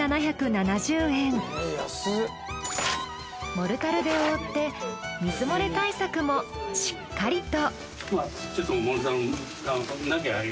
モルタルで覆って水漏れ対策もしっかりと。